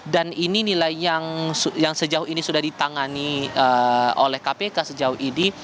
dan ini nilai yang sejauh ini sudah ditangani oleh kpk sejauh ini